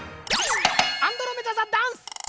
アンドロメダ座ダンス。